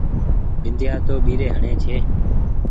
بنديآ تو ٻيري هڻي ڇي۔